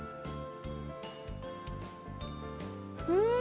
うん！